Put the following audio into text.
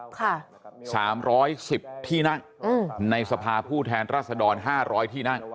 ค่ะสามร้อยสิบที่นั่งในสภาพู่แทนรัศดร๕๐๐ที่นั่ง